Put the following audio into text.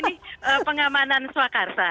ini pengalamanan suakarsa